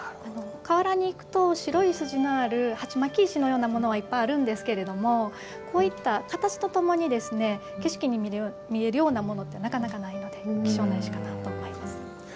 河原に行くと白い筋のあるはちまき石のようなものはいっぱいあるんですけどもこういった形とともに景色に見られるようなものってなかなかないので貴重なものだと思います。